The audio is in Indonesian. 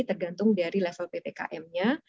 tergantung dari level ppkmnya